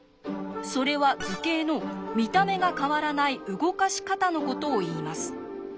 それは図形の「見た目が変わらない動かし方」のことをいいます。